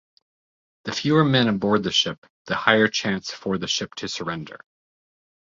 The fewer men aboard a ship, the higher chance for the ship to surrender.